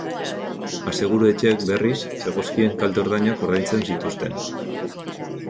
Aseguru etxeek, berriz, zegozkien kalte-ordainak ordaintzen zituzten.